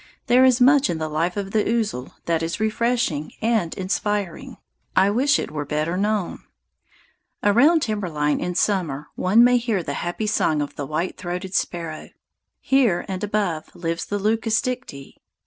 There is much in the life of the ouzel that is refreshing and inspiring. I wish it were better known. Around timber line in summer one may hear the happy song of the white throated sparrow. Here and above lives the leucosticte.